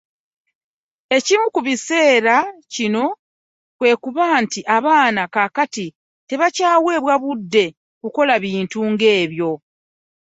Ekimu ku bireese kino kwe kuba nti abaana kaakati tebakyaweebwa budde kukola bintu ng’ebyo.